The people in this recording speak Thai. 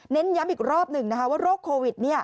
เน้นย้ำอีกรอบหนึ่งนะคะว่าโรคโควิด